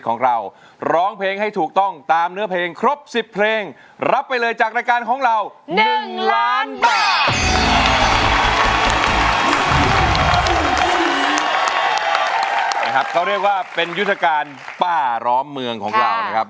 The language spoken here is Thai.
เขาเรียกว่าเป็นยุทธการป้าร้อมเมืองของเรานะครับ